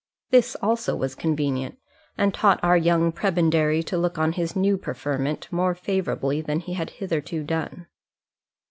This also was convenient, and taught our young prebendary to look on his new preferment more favourably than he had hitherto done.